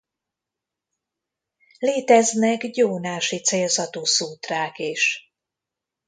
Léteznek gyónási célzatú szútrák is.